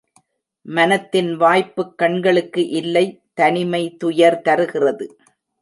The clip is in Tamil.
மனத்தின் வாய்ப்புக் கண்களுக்கு இல்லை தனிமை துயர் தருகிறது.